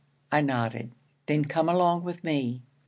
I nodded. 'Then come along with me.'